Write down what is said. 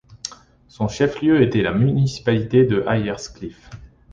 Son chef-lieu était la municipalité de Ayer's Cliff.